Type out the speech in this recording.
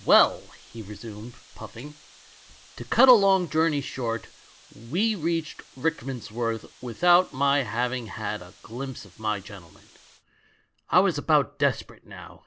"Well," he resumed, puffing, "to cut a long journey short, we reached Rickmans worth with out my having had a glimpse of my gentleman. I was about desperate now.